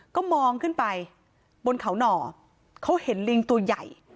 ก็มองขึ้นไปบนเขาหน่อเขาเห็นลิงตัวใหญ่